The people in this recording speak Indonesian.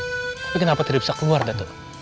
tapi kenapa tidak bisa keluar dato